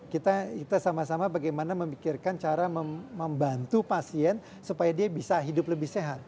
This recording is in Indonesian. kita sama sama bagaimana memikirkan cara membantu pasien supaya dia bisa hidup lebih sehat